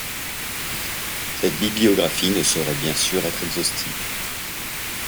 Cette bibliographie ne saurait bien sûr être exhaustive.